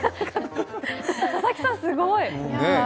佐々木さん、すごい。